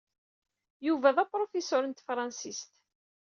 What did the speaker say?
Yuba d apṛufiṣur n tefransist.